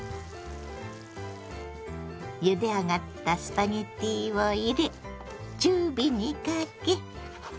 ゆで上がったスパゲッティを入れ中火にかけ。